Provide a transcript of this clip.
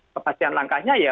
kepastian langkahnya ya